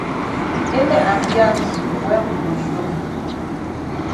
Ele ambiance wen we go show.